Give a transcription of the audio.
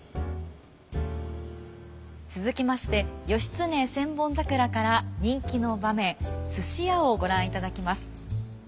続きまして「義経千本桜」から人気の場面「すし屋」をご覧いただきます。